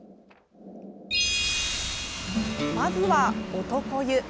まずは男湯。